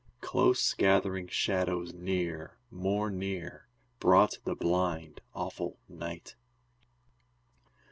Close gathering shadows near, more near, Brought the blind, awful night.